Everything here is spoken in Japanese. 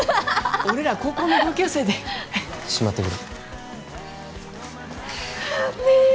俺らは高校の同級生でしまってくるねえ